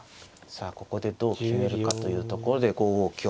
さあここでどう決めるかというところで５五香。